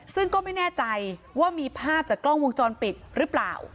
ซึ่งก็ไม่แน่ใจว่ามีภาพจากกล้องวงจรปิดหรือเปล่า